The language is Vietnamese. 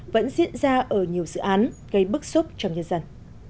vẫn diễn ra ở nhiều dự án gây bức xúc trong nhân dân